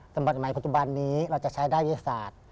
สมัครใหม่ปัจจุบันนี้เราจะใช้ได้วิทยาศาสตร์